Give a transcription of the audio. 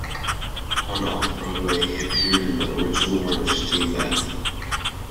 On Off Broadway, he appeared in the original run of "Steambath".